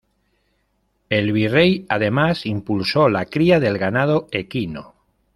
El Virrey además impulsó la cría del ganado equino.